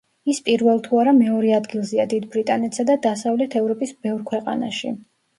ის პირველ თუ არა, მეორე ადგილზეა დიდ ბრიტანეთსა და დასავლეთ ევროპის ბევრ ქვეყანაში.